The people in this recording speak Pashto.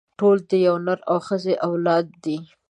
ټول د يوه نر او ښځې اولاده دي.